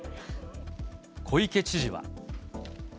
小池知事は。